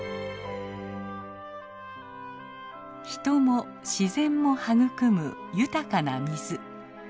人も自然も育む豊かな水。